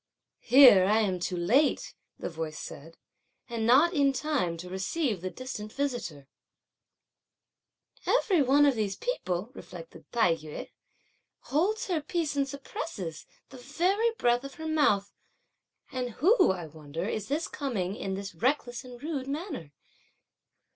"Here I am too late!" the voice said, "and not in time to receive the distant visitor!" "Every one of all these people," reflected Tai yü, "holds her peace and suppresses the very breath of her mouth; and who, I wonder, is this coming in this reckless and rude manner?"